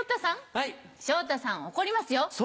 昇太さん怒りますよ。